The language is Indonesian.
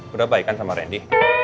udah baik kan sama randy